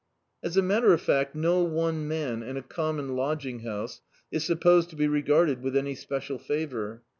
As a matter of fact, no one man in a common lodging house is supposed to be regarded with any special favour.